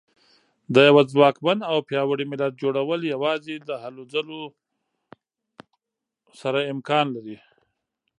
د یوه ځواکمن او پیاوړي ملت جوړول یوازې د هلو ځلو سره امکان لري.